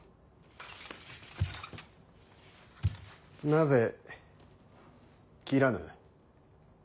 なぜ斬らぬ。